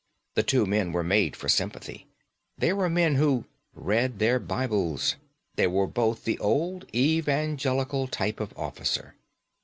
The two men were made for sympathy; they were men who 'read their Bibles'; they were both the old Evangelical type of officer.